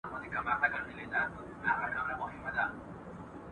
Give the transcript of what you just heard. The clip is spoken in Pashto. نور ګلاب ورڅخه تللي، دی یوازي غوړېدلی ..